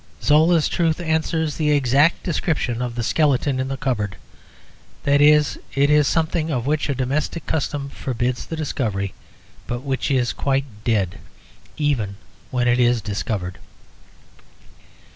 Zola's truth answers the exact description of the skeleton in the cupboard; that is, it is something of which a domestic custom forbids the discovery, but which is quite dead, even when it is discovered.